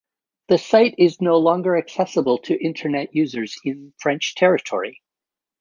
The site is no longer accessible to Internet users in French territory.